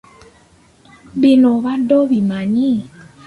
Bino obadde obimanyi?